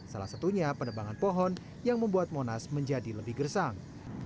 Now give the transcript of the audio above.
salah satunya penebangan pohon yang membuat monas menjadi lebih gersang